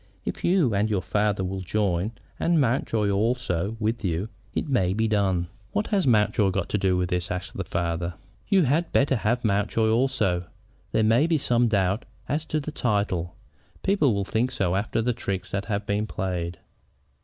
If you and your father will join, and Mountjoy also with you, it may be done." "What has Mountjoy got to do with it?" asked the father. "You had better have Mountjoy also. There may be some doubt as to the title. People will think so after the tricks that have been played."